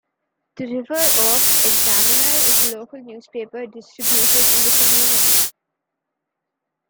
The "River Oaks Examiner" is a local newspaper distributed in the community.